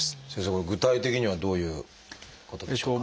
これ具体的にはどういうことでしょうか？